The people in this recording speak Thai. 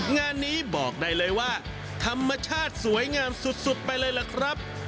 งานนี้บอกได้เลยว่าธรรมชาติสวยงามสุดไปเลยล่ะครับ